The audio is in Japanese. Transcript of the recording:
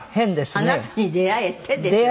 「あなたに出会えて」ですよ。